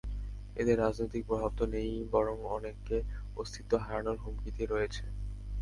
এদের রাজনৈতিক প্রভাব তো নেই-ই, বরং অনেকে অস্তিত্ব হারানোর হুমকিতেই রয়েছে।